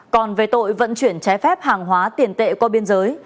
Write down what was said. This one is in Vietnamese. còn về tội vận chuyển trái phép hàng hóa tiền tệ qua biên giới